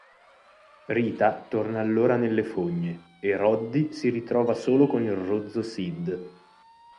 Rita torna allora nelle fogne e Roddy si ritrova solo con il rozzo Sid.